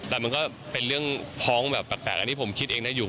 แต่มันก็เป็นเรื่องพ้องแบบแปลกอันนี้ผมคิดเองได้อยู่